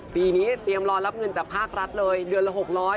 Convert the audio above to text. ปีนี้เตรียมรอรับเงินจากภาครัฐเลยเดือนละ๖๐๐